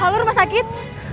kalo rumah sakit